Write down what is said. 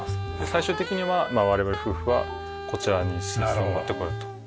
最終的には我々夫婦はこちらに寝室を持ってこようとそういう。